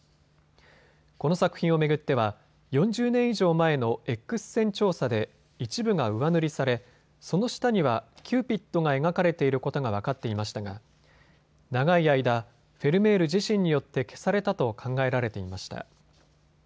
この作品を巡っては４０年以上前のエックス線調査で一部が上塗りされその下にはキューピッドが描かれていることが分かっていましたが長い間、フェルメール自身によって消されたと考えられていました。